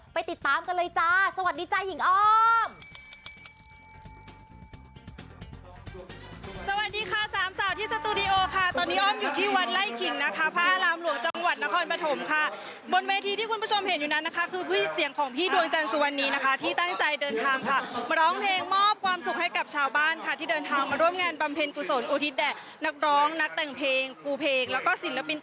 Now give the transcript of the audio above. ไปติดตามกันเลยจ้าสวัสดีจ้ะหญิงออม